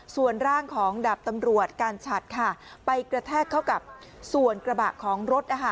ส่วนร่างของดาบตำรวจการฉัดค่ะไปกระแทกเข้ากับส่วนกระบะของรถ